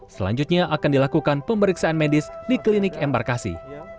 selanjutnya akan dilakukan pemeriksaan medis di klinik m barkasi